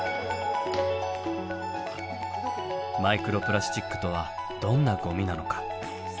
マイクロプラスチックとはどんなごみなのか？